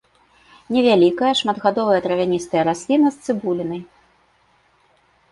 Невялікая шматгадовая травяністая расліна з цыбулінай.